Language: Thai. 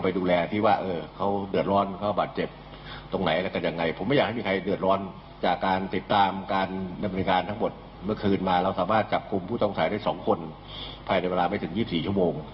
ภายในเวลาไม่ถึง๒๔ชั่วโมง